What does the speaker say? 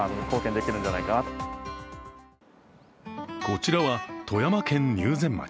こちらは富山県入善町。